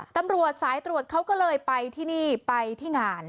ตำรวจสายตรวจเขาก็เลยไปที่นี่ไปที่งาน